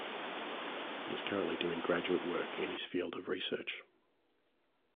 He is currently doing graduate work in his field of research.